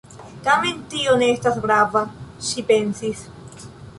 "Tamen tio ne esta grava," ŝi pensis.